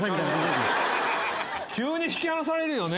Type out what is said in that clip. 急に引き離されるよね。